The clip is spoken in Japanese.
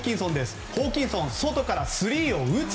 ホーキンソン外からスリーを打つ。